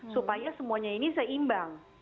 supaya semuanya ini seimbang